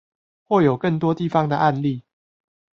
或有更多地方的案例